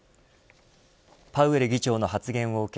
パウエル議長の発言を受け